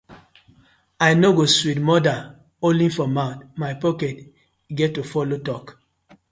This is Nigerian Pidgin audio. I no go sweet mother only for mouth, my pocket get to follo tok.